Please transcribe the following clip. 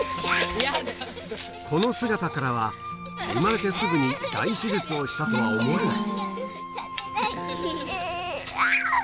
この姿からは生まれてすぐに大手術をしたとは思えないあ！